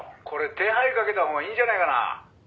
「これ手配かけたほうがいいんじゃないかな？」